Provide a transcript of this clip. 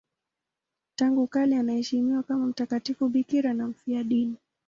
Tangu kale anaheshimiwa kama mtakatifu bikira na mfiadini.